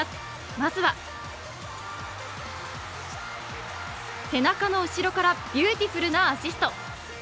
まずは、背中の後ろからビューティフルなアシスト。